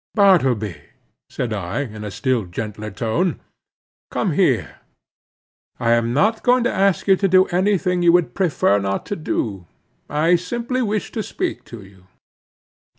"Bartleby," said I, in a still gentler tone, "come here; I am not going to ask you to do any thing you would prefer not to do—I simply wish to speak to you."